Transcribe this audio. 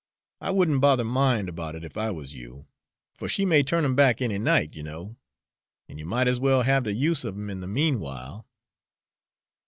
I wouldn't bother my mind about it if I was you, for she may turn 'em back any night, you know; an' you might as well have the use of 'em in the mean while."